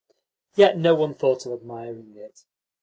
Yet no one thought of admiring it.